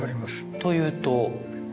というと？